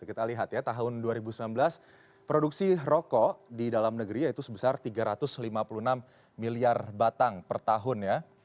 kita lihat ya tahun dua ribu sembilan belas produksi rokok di dalam negeri yaitu sebesar tiga ratus lima puluh enam miliar batang per tahun ya